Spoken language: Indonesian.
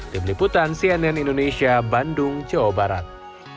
tim liputan cnn indonesia bandung jawa barat